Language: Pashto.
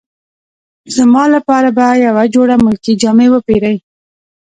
زما لپاره به یوه جوړه ملکي جامې وپیرې.